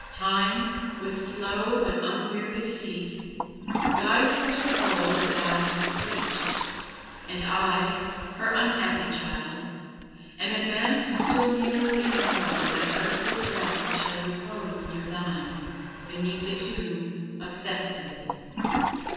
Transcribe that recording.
Time, with slow, but unwearied feet, guides her to the goal that thou hast reached; and I, her unhappy child, am advanced still nearer the hour when my earthly dress shall repose near thine, beneath the tomb of Cestius.